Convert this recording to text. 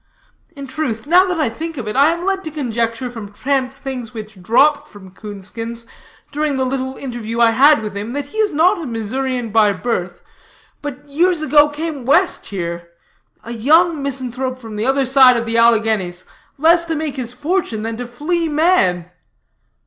In truth, now that I think of it, I am led to conjecture from chance things which dropped from Coonskins, during the little interview I had with him, that he is not a Missourian by birth, but years ago came West here, a young misanthrope from the other side of the Alleghanies, less to make his fortune, than to flee man.